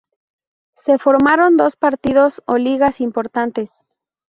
Se formaron dos partidos o ligas importantes.